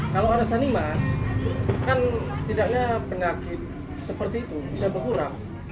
kalau ada sanimas kan setidaknya penyakit seperti itu bisa berkurang